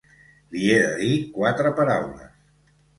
Li he de dir quatre paraules.